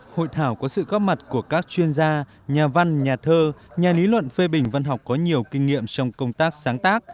hội thảo có sự góp mặt của các chuyên gia nhà văn nhà thơ nhà lý luận phê bình văn học có nhiều kinh nghiệm trong công tác sáng tác